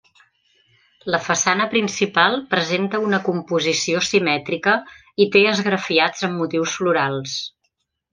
La façana principal presenta una composició simètrica i té esgrafiats amb motius florals.